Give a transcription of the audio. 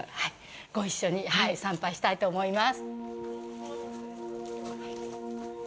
ご一緒に参拝したいと思います。